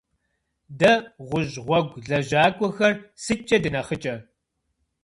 Дэ, гъущӏ гъуэгу лэжьакӏуэхэр, сыткӏэ дынэхъыкӏэ?